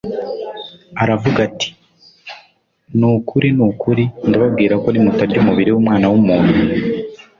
aravuga ati: «Ni ukuri ni ukuri, ndababwira ko nimutarya umubiri w'Umwana w'umuntu,